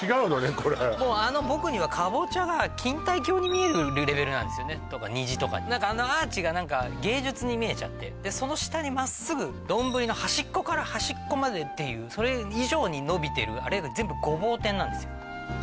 これもうあの僕にはカボチャが錦帯橋に見えるレベルなんですよねとか虹とかにあのアーチが何か芸術に見えちゃってでその下にまっすぐ丼の端っこから端っこまでっていうそれ以上に伸びてるあれが全部ごぼう天なんですよ